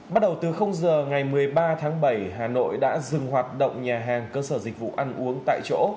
bắt đầu từ giờ ngày một mươi ba tháng bảy hà nội đã dừng hoạt động nhà hàng cơ sở dịch vụ ăn uống tại chỗ